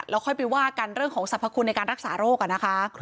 แล้วค่อยไปว่ากันเรื่องของสรรพคุณในการรักษาโรคนะคะ